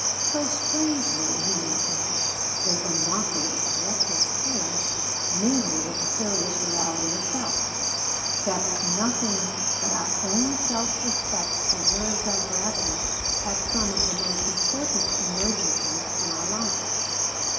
So strangely, in human existence, does the mockery of what is serious mingle with the serious reality itself, that nothing but our own self respect preserves our gravity at some of the most important emergencies in our lives.